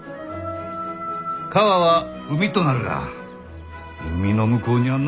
川は海となるが海の向こうには何があるか？